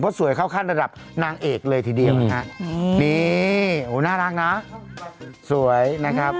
สวยเข้าขั้นระดับนางเอกเลยทีเดียวนะฮะนี่น่ารักนะสวยนะครับ